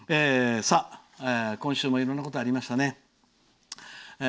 今週もいろんなことがありましたね。